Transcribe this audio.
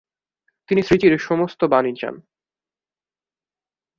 তিনি শ্রীজীর সমস্ত বাণী চান।